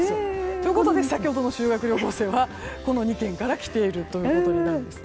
ということで先ほどの修学旅行生はこの２県から来ているということになりますね。